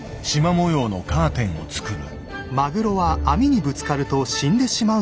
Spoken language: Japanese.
模様のカーテンを作る。